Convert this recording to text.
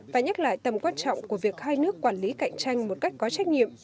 và nhắc lại tầm quan trọng của việc hai nước quản lý cạnh tranh một cách có trách nhiệm